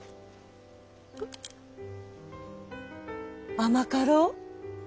甘かろう？